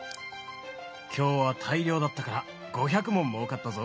今日は大漁だったから５００文もうかったぞ。